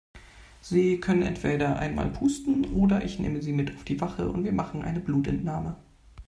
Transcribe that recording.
Sie können entweder einmal pusten oder ich nehme Sie mit auf die Wache und wir machen eine Blutentnahme.